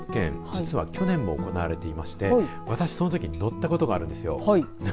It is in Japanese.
実は去年も行われていまして私も、その時に乗ったことがあるんですよ。